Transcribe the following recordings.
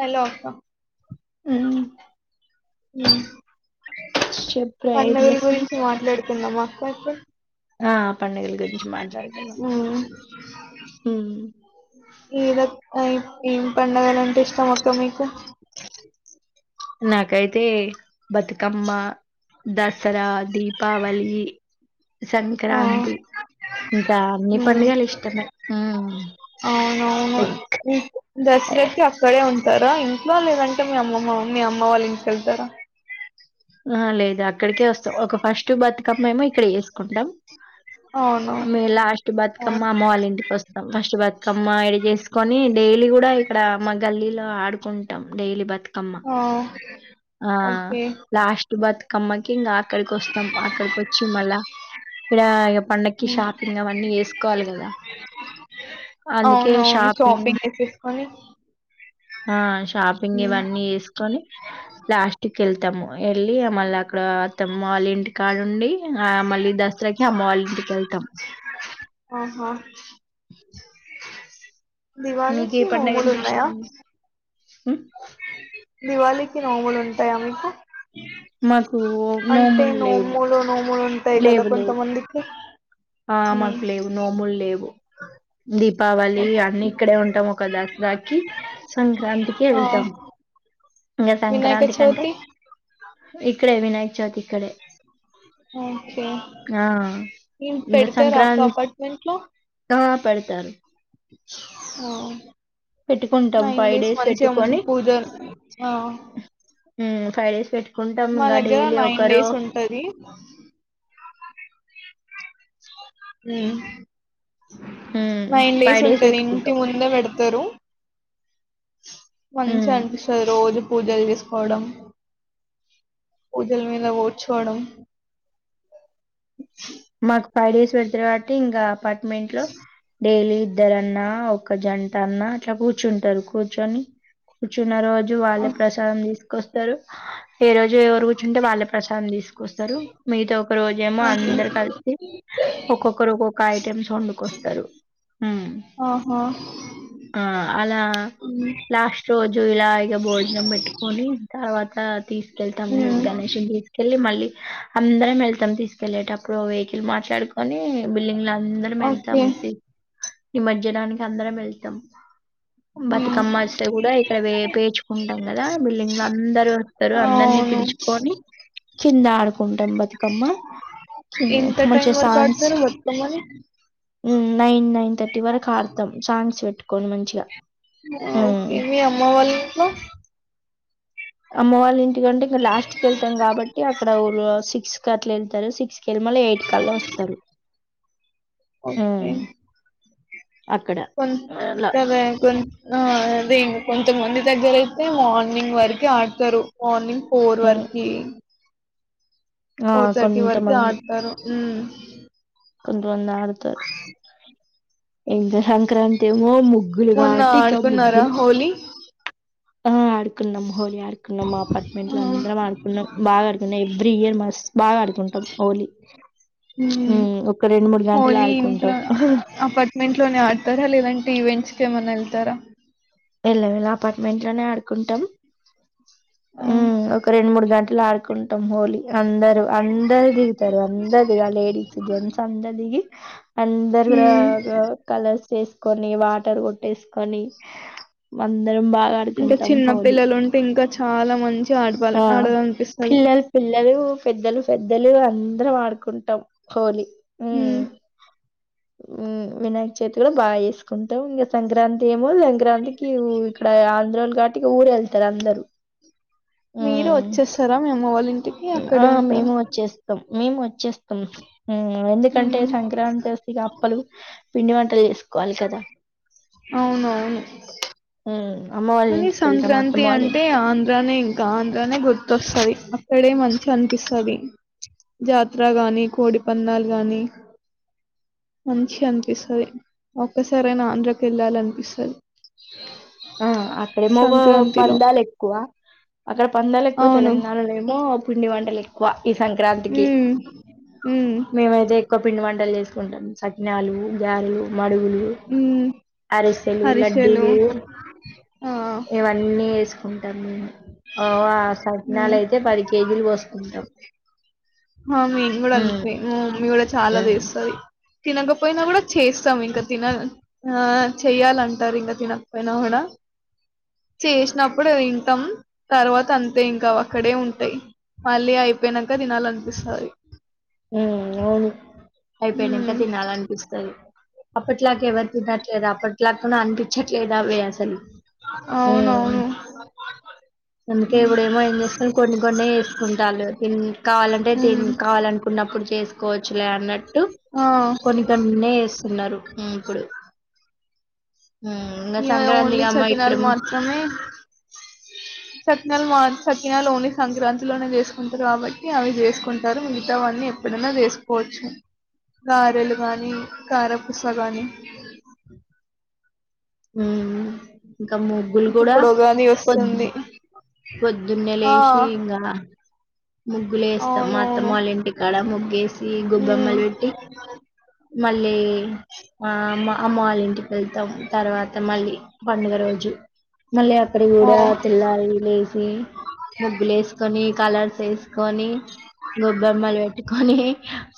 Hello అక్క హ్మ్ చెప్రా ఏం చేస్తున్నావ్ నమస్తే అక్క ఆ పండగల గురించి మాట్లాడుకుందాం ఉమ్ ఏదో ఏం పండగలంటే ఇష్టం అక్క మీకు? నాకైతే బతుకమ్మ దసరా దీపావళి ఆ సంక్రాంతి ఇంకా అన్ని ఉమ్ పండుగలు ఇష్టమే. అవునవును [unintelligible] టారా ఇంట్లో లేదంటే మీ అమ్మమ్మ మీ అమ్మ వాళ్ళ ఇంటికెళ్తారా? ఆ లేదు అక్కడికే వస్తాం ఒక ఫస్ట్ బతుకమ్మేమో ఇక్కడ చేస్కుంటాం. అవును మేం లాస్ట్ ఆ బతుకమ్మ అమ్మ వాళ్ళ ఇంటికి వస్తాం ఫస్ట్ బతుకమ్మ ఇడ చేసుకొని డైలీ కూడా ఇక్కడ మా గల్లీలో ఆడు కుంటాం డైలీ బత్ ఆ ఓకే లాస్ట్ బతుకమ్మ కింగ అక్కడికి వస్తాం అక్కడికి వచ్చి మళ్ళ ఈడ ఇగ పండక్కి ఉమ్ షాపింగ్ అవన్నీ చేస్కోవాలి గదా అందుకే అవునవును షాపింగ్ చేసేసుకొని ఆ షాపింగ్ ఉమ్ ఇవన్నీ చేస్కొని లాస్ట్ కెల్ టం వెళ్ళి మళ్ళక్కడ అత్తమ్మ వాళ్ళ ఇంటి కాడుండి, ఆ మళ్ళీ దసరాకి అమ్మ వాళ్ళ ఇంటికెళ్తాం. హా దివాళి కి నోములున్నాయా? హ దివాళికి నోములు ఉంటాయా మీకు మాక్ కో నోముూల్ లేవు టాయి కదా లేవు కొంత లేవు మందికి ఆ మాకు లేవు నోములు లేవు ఓకే. దీపావళి అన్నిీ ఇక్కడే ఉంటాం ఒక దసరాకి సంక్రాంతికి ఆ వెళ్తాము ఇంకా వినాయక సంక్రాంతి కంటే చవితి ఇక్కడే వినాయక చౌతి ఇక్కడే ఓకే ఆ ఇన్ ఇంగ పెడితే రా అక్క సంక్రాంతి పార్ట్మెంట్ లో ఆ పెడతారు ఓ పెట్టుకుంటాం నైన్ ఫైవ్ డేస్ మంచిగా పెట్టుకొని పూజ అ ఫైవ్డేస్ పెట్ మా దగ్గర నైన్ డేస్ ఉంటది ఆ ఉమ్ నైన్ డేస్ ఫైవ్ ఉంటది ఇంటి పెట్టుకుంటాం ముందు పెడ్ త్ తరు మంచి ఉమ్ అన్చ రోజు పూజలు చేసుకోవడం పూజల మీద కూడ్చోవడం మాకు ఫైవ్ డేస్ పెడుతారు కాబట్టి ఇంకా అపార్ట్మెంట్ లో డైలీ ఇద్దర అన్నా ఒక జంట అన్న చబూచుంటరు కూర్చొని కూర్చున్న రోు జో వాళ్ళ ప్రసాదం తీస్ కోస్తారు ఏ రోజ్ ఎవరు కూర్చుంటే వాళ్ళే ప్రసాదం తీసుకొస్తారు మిగతా ఒక రోజే ఏమో ఓకే అందరు కలిసి ఒక్కొక్కరు ఒక్కొక్క ఐటమ్స్ వండుకొస్తారు ఆహా ఆ అలా లాస్ట్ రోజు ఇలా ఇగ భోజనం పెట్టుకొని తర్వాత తా తీస్ కేల్ తాం ఉమ్, గణేష్న్ని కి మళ్ళీ అందరం వెళ్తాం తీసుకెళ్లేటప్పు ఇప్పుడు వెహికిల్ మాట్లాడుకొని బిల్డింగ్ ల అందరం వేల్తాం ఓకే బీ ఈ మజ్యానానికి అందరం వెళ్తాం ఉమ్. బతుకమ్మ ఇస్తే కూడా ఇక్కడ వే పేచుకుంటాం కదా బిల్డింగ్ లో అందరు వస్తారు అందరినీ అవును పిలుచుకొని చిందాడ్ ద్ కుంటబతికమ్మ ఇంత టైమ్ వర్క్ ఆడతారు వత్తకమని నైన్ థర్టి వరకు అర్థం సాన్స్ట్ కొన్ని మంచిగా హ్మ్. ఓకవి అమ్మ వాళ్ళ ఆమోవళ ఎందుకంటే ఇంకా లాస్ట్ కి వెళ్తాం కాబట్టి అక్కడఊ సిక్స్ అట్లా వెళ్తారు సిక్స్ కిలమల ఎయిట్ కల్లో వస్తారు అక్కడ. కొ అలా. క దేం కొంతమంది దగ్గర అయితే మార్నింగ్ వరకు ఆడతారు మార్నింగ్ కో హ్మ్. వర్కి ఆ! ఫోర్ థర్టీ వరకు కొంతమంది ఆడతారు హ్మ్ కుంటు వందా త ఏంకా సంక్రాంతి ఏమో ముగ్గులు మొన్న కాబట్టి ఇక ఆడుకున్నారా ముగ్గులు హోలీ ఆ ఆడుకున్నా మ్ హోలీ ఆడుకున్నాం మా అపార్ట్మెంట్ ఆ, ల అందరం ఆడుకున్నాం, బాగా ఆడుకున్నాం ఎవ్రీ ఇయర్, మస్ బాగా ఆడుకుంటాం హోలీ ఉమ్. హ్మ్. ఒక గంటలు హోలీ ఆడుకుంటాం. ఇంట్లో అపార్ట్మెంట్ లోనే ఆడతారా లేదంటే ఈవెంట్స్ ఏమన్నా ఎల్ తార ఎల్ వెల అపార్ట్మెంట్ ట్లోనే ఆడుకుంటాం ఆ, హ్మ్ ఒక రెండు మూడు గంట్ లాార్కుొన్ కుంటాం హోలీ అందరు అందరు దిగుతారు, అందరు దిగా లేడీస్ జెంట్స్ అందరు దిగి. అందరు కూడా ఉమ్. కలర్స్ ఏ స్ కొని వాటర్ కొట్టేసుకొని వన్ ఇంక చిన్న పిల్లలు ఉంటే ఇంక చ్ చాలా మంచి ఆ పిల్లలు పిల్లలు పెద్దలు పె పెద్దలు అందరం ఆడుకుంటాం హోలీ [unintelligible] హ్మ్ హ్మ్ వినాయకచవితి కూడా బాగా చేసుకుంటాం ఇంకా సంక్రాంతి ఏమో సంక్రాంతి ఇక్కడ ఆంధ్రాలు గట్ [unintelligible] ఇక ఊరెళ్తారు అందరూ మీరు హ్మ్. వచ్చేస్తారా మీ అమ్మ వాళ్ళ ఇం ఆ మేము వచ్చేస్తాం మేము వచ్చేస్ మ్మ్ హ్మ్ ఎందుకంటే మ్మ్ సంక్రాంతి వస్తే ఇగ అప్పలు పిండి వంటలు చేసు కోల్కతా హ్మ్మ్ మళ్ళీ సంక్రాంతి అంటే ఆంధ్రానే ఇ కాన్ [unintelligible] తనే గుర్తొస్తది అక్కడే మంచి అనిపిస్తది జాతర గాని కోడి పందాలు గాని మంచి అనిపిస్తది ఒక్కసరైనా ఆంధ్రకి వెళ్ళాల అనిపిస్తది ఆ అక్కడే మగ పందాలు ఎక్కువ [unintelligible] అక్కడ పందాలు ఎక్కువ అవును తెలంగాణలో ఏమో పిండి వంట్ తెలికు [unintelligible] ఈ సంక్రాంతికి మ్మ్ మ్మ్ మేమైతే ఒక పిండి వంటలు చేసుకుంటాం సకినాలు గ్యారలు [unintelligible] మడుగులు మ్మ్ అరిసెలు హరిసెలు లడ్డూలు ఆ ఇవన్నీ తీస్ ఘంటామ [unintelligible] కేజీలు బోసుకుంటాం. ఆ మీ కూడా అంత హ్మ్. మీ కూడా చాలా హ్మ్. తీస్తది తినకపోయినా కూడా చేస్తాం ఇంక తినాల చేయాలంటారు ఇంకా తినకపోయినా కూడా చేసినప్పుడు తింటాం తర్వాత అంతే ఇంక అక్కడే ఉంటాయి మళ్ళీ అయిపోయినాక తినాలనిపిస్తాది హ్మ్ అవును అయిపోయినాకా హ్మ్ తినాలనిపిస్తది అప్పట్లాకవత నాట్ [unintelligible] లేదు అప్పట్లాకూడా అనిపించ లేదా వే అసలు హ్మ్ అవునవును అందుకే ఇప్పుడ ఏమో ఏం చేస్తాను కొన్ని కొన్ని వేసుకుంటారు తిని కావాలంటే తి హ్మ్ కావాలంటే న్నప్పుడు చేసుకోవచ్చులే అన్నట్టు ఆ కొన్ని కొన్నే వేస్తున్నారు ఉమ్ ఇప్పుడు హ్మ్. ఇంగ ఇ ఓన్లీ సంక్రాంతికమ్మ ఇక్కడ సక్కింనల్ మాత్రమే సకినాలు మా సకినాలు ఓన్లీ సంక్రాంతిలోనే చేసుకుంటారు కాబట్టి అవి చేసుకుంటారు మిగతావన్నీ ఎప్పుడైనా చేసుకోవచ్చు గారెలు గానీ కారపుూస గానీ అ ఉమ్ ఇంకా ముగ్గులు కూడా ఇప్పుడు ఉగాది పొద్ వస్తుంది పొద్దున్నే ఆ లేసి ఇగ ముగ్గులు వేస్తాం అత్తమ్మ అవునవును వాళ్ళ ఇంటికాడ ముగ్గు వేసి మ్మ్ గొబ్బెమ్మలు పెట్టి మళ్ళీ ఆ మా అమ్మ వాళ్ళంటికి వెళతాం మళ్ళీ పండుగ రోజు మళ్ళీ అక్కడ ఆ కూడా తె ల్లారి లేసి ముగ్గులు వేసుకొని కలర్ ఎస్ కొని గొబ్బెమ్మలు పెట్టుకొని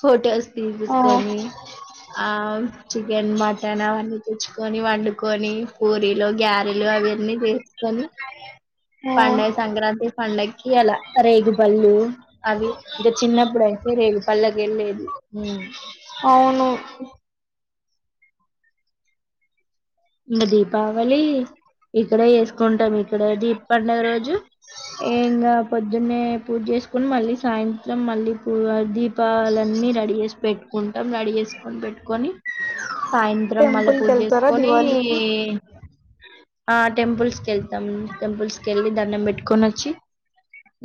ఫోటోస్ ఆ తీసుకొని ఆ చికెన్ మటన్ అవన్నీ తెచ్చుకొ ని వండుకొని పూరి గ్యారెలు అవ అన్నీ చేసుకొని ఆ పండగ సంక్రాంతి పండగకి అలా రేగుపళ్ళు అవి ఇంకా చిన్నప్పుడు అయితే రేగుపళ్ళకి ఎల్లేది అవును ఇకా దీపావళి ఇక్కడే చేసుకున్ టామ్ ఇక్కడది పండగ రోజు ఇంగ పొద్ పొద్దున్నే పూజ చేసుకని మళ్ళీ సాయంత్రం మళ్ళీ పూ దీ పాలన్నీ రెడీ చేసి పెట్ నడి చేేసుకొని పెట్టుకొని సాయంత్రం మళ్ళా టెంపుల్ కి పూజ వెళ్తారా చేసుకొని దివాళికి ఈ ఆ ద్ టెంపుల్స్ కెల్ తమ్ టెంపుల్స్ కెళ్ళి దండం పెట్టుకొని వచ్చి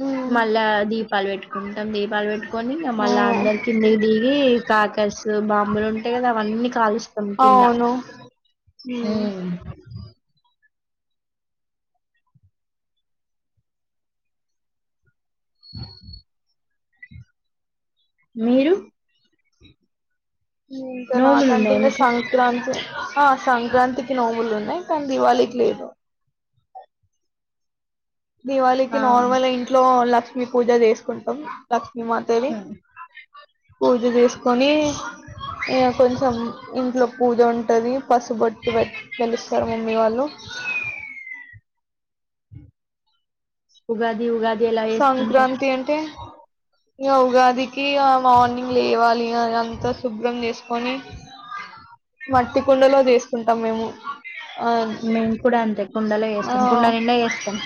మ్మ్ మళ్ళా దీపాలు పెట్టుకుంటాం దీపాలు పెట్టుకొనికా ఆ మళ్ళా అందరి కిందికి దిగి కాకర్స్ బాంబులు ఉంటాయి కదా అవన్నీ కాలుస్తాం కింద అవును ఏ మ్మ్ [inaudible] మీరు [inaudible] ఇంకా నోములు నాకంటే ఉన్నాయా ఇంకా మీకు సంక్రాంతి ఆ సంక్రాంతికి నోము ల్ ఉన్నాయి కానీ దివాళికి లేదు ఆ దివాళికి నార్మల్ ఇంట్లో లక్ క్ష్మి పూజ చేసుకుంటాం మాతది హ్మ్ పూజ జేసుకొని ఇగ కొంచెం ఇంట్లో పూజ ఉంటది పసుబట్టు పెట్ కె లుస్తారు మమ్మీ వాళ్ళు ఉగాది ఉగాది ఎలా చేసుకుంటారు సంక్రాంతి అంటే ఇ ఉగాదికి ఆ మార్నింగ్ లేవాలి అ అంతా శుభ్రం చేసుకొని మట్టి కుండలో తీసుకుంటాం మేము ఆ మేము కూడా అంతే కుండలో చేస్తాం కుండ నిండా చేస్తాం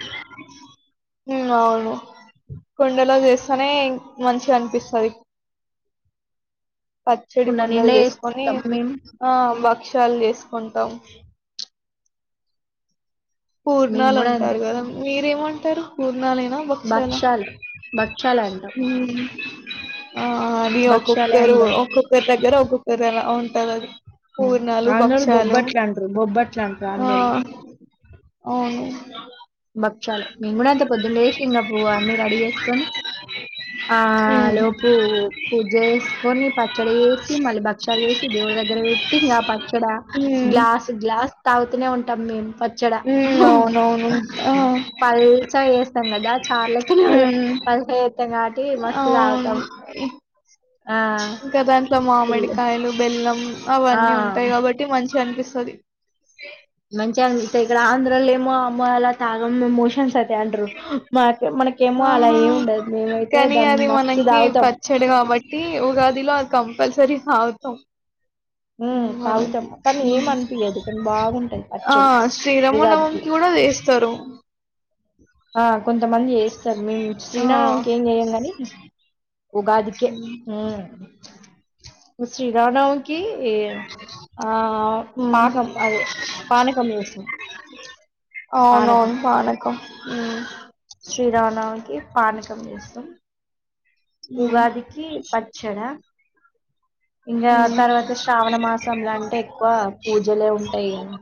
ఉ అవును కుండలో చేస్తానే మంచిగా అనిపిస్తుంది పచ్చడి కుండ కుందలు నిండా తీసుకొని చేస్తాం మేము ఆ బ క్షాలు వేసుకుంటాం మేము పూర్ణాలు కూడా అంతే అంటారు కదా మీరేమంటారు ఉలనా బక్షలా భక్షాలు భక్షాలు అంటాం మ్మ్ ఆ న భక్షాలే ఒక్కొక్కరు అంటాం ఒక్కొక్కరి దగ్గర ఒక్కొక్కరు ఎలా అ తెలొది ఆంద్రోల్లు బొబ్బట్లే అంటారు బొబ్బట్లు అంటారు ఆ ఆంద్రోల్లు అవును చాల్ భక్షాలే మేము కూడా అంత పొద్దున్న లేసి ఇంకా అపువ్ అన్ని రెడీ చేసుకొని ఆ ఉమ్ లోపు పూజ చేసుకొని పచ్చడి వేసి మళ్ళీ భక్షలు వేసి దేవుడి దగ్గర పెట్టి ఇంకా పచ్చడ ఉమ్ గ్లాస్ గ్లాస్ తాగుతనే ఉంటాం మేమ్ ఉ అవునవును ఆ పల్సగ చేత గంగదార్ చార్లెక్కనె ఇంగ ఉమ్ పల్సగా చెత్తం కాబట్ అవును ఇప్ ఆ ఇంక దాంట్లో ఫుల్ మామిడికాయలు బెల్లం ఆ అవన్నీ ఉంటాయి కాబట్టి మంచిగా అనిపిస్ సరి మా ఆల తాగం మోషన్స్ అయిత్ ఆహా ఏమి ఉండదు మేమైతే కాని దాన్ని అది మస్తు మనకి తాగుతాం పచ్చడి కాబట్టి ఉగాదిలో కంప్ కంపల్సరి తావుతాం ఉమ్ ఉ అవన్ తాగుతాం కానీ ఉ ఏం అనిపియదు కానీ బాగుంటది ఆ పచ్చడి ఉగాదికి శ్రీరామనవంకి కూడా చేస్తారు ఆ కొంతమంది చేస్తారు మేము ఆ శ్రీనవంకి ఏం చేయమ్ గాని ఉగాదికే ఉమ్ శ్రీ రామనవమి కి ఆ హ్మ్ పాకం అదే పానకం చేస్తాం పానకం ఉ శ్రీరామనవమికి పానకం చేస్తాం హ్మ్ ఉగాదికి పచ్చడా ఉ శ్రావణ మాసంలో అంటే ఎక్కువ పూజలే ఉంటాయి కదా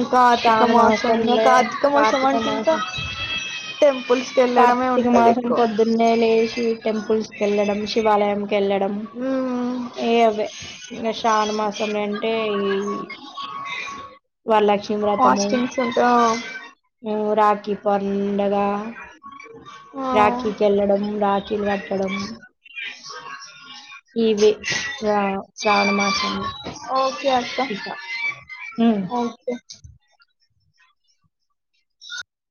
ఉ కార్తిక శ్రావణ మాసం మాసంలో కార్తిక మాసం కార్తీక అంటే ఇంకా మాసం టెంపుల్స్ కి వెళ్ళడమే కార్తీక ఉంటది మాసం ఎక్కువ పొద్దున్నే లేషి టెంపుల్స్ కెళ్ళడం శివాలయంకి వెళ్ళడం హ్మ్ ఏ అవే ఇంగ శ్రావనమాసం అంటే ఇ ఫాస్టింగ్స్ ఉంట రాఖీ పండగ అ [unintelligible] రాఖీ కెల్లడము రాఖీలు కట్టడం ఈవే శ్రావణ మాసము లొ ఓకే అక్క ఇక ఓకే